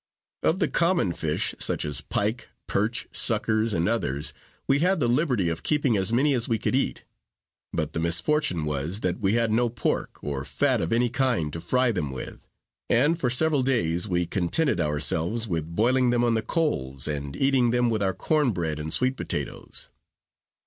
Of the common fish, such as pike, perch, suckers, and others, we had the liberty of keeping as many as we could eat; but the misfortune was, that we had no pork, or fat of any kind, to fry them with; and for several days we contented ourselves with boiling them on the coals, and eating them with our corn bread and sweet potatoes.